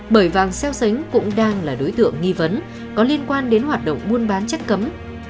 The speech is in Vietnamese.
bởi vàng xeo xánh cũng đang là đối tượng nghi vấn có liên quan đến hoạt động buôn bán chất cấm